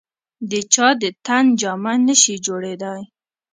د چا د تن جامه نه شي جوړېدای.